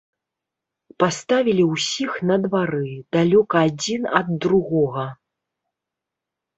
Паставілі ўсіх на двары, далёка адзін ад другога.